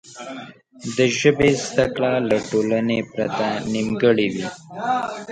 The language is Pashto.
د ژبې زده کړه له ټولنې پرته نیمګړې وي.